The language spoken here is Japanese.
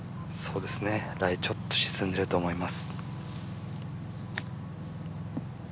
ライ、ちょっと沈んでると思います。